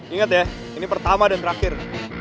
ingat ya ini pertama dan terakhir